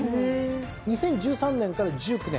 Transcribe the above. ２０１３年から１９年。